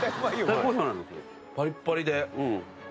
パリッパリで。